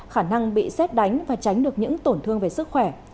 khả năng bị xét đánh và tránh được những tổn thương về sức khỏe